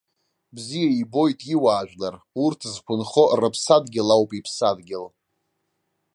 Бзиа ибоит иуаажәлар, урҭ зқәынхо рыԥсадгьыл ауп иԥсадгьыл.